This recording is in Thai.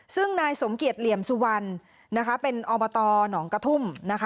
ซึ่งนายสมเกียจเหลี่ยมสุวรรณเป็นอบตหนองกระทุ่มนะคะ